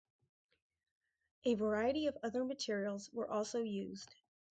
A variety of other materials were aso used.